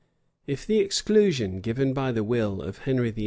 If the exclusion given by the will of Henry VIII.